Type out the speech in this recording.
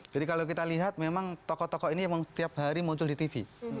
kalau kita lihat memang tokoh tokoh ini memang setiap hari muncul di tv